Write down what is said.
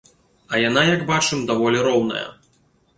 А яна, як бачым, даволі роўная.